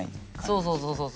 そうそうそうそう。